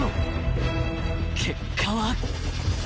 ［結果は］